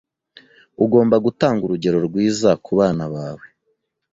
Ugomba gutanga urugero rwiza kubana bawe.